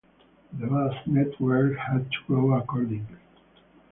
The bus network had to grow accordingly.